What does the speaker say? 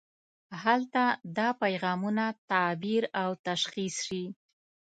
هلته دا پیغامونه تعبیر او تشخیص شي.